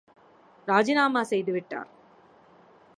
ராஜிநாமா செய்து விட்டார்.